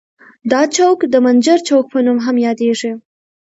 دا چوک د منجر چوک په نوم هم یادیږي.